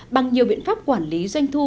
bằng nhiều biện pháp quản lý doanh thu